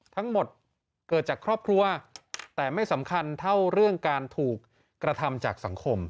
ทั้งหมดเกิดจากครอบครัวแต่ไม่สำคัญเท่าเรื่องการถูกกระทำจากสังคม